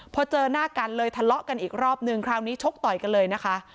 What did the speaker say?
พอเจอหน้ากันเลยทะเลาะกันอีกรอบนึงคราวนี้ชกต่อยกันเลยนะคะ